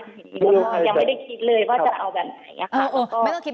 ยังไม่ได้คิดเลยว่าจะเอาแบบไหน